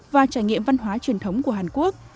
và trải nghiệm văn hóa truyền thống của hàn quốc